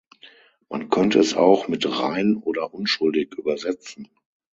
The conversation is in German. Man könnte es auch mit rein oder unschuldig übersetzen.